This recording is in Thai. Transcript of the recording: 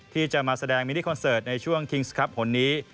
ที่จะมาแสดงมินิคอนเสิร์ตในช่วงคิงส์ครับผลนี้